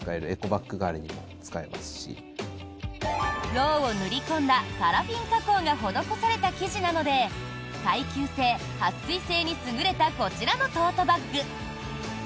ろうを塗り込んだパラフィン加工が施された生地なので耐久性・撥水性に優れたこちらのトートバッグ。